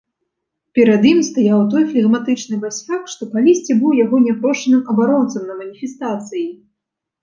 Перад ім стаяў той флегматычны басяк, што калісьці быў яго няпрошаным абаронцам на маніфестацыі.